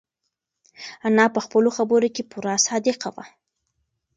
انا په خپلو خبرو کې پوره صادقه وه.